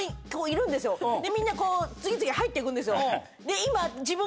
みんな次々入って行くんですよ。